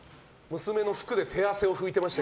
娘の服で手汗を拭いていました。